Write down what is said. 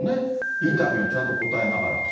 インタビューをちゃんと答えながら。